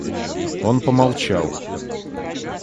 Он помолчал.